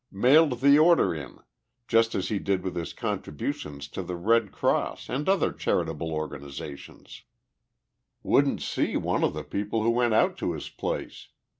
Mailed the order in, just as he did with his contributions to the Red Cross and the other charitable organizations. Wouldn't see one of the people who went out to his place.